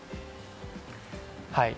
はい。